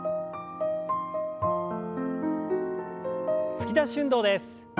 突き出し運動です。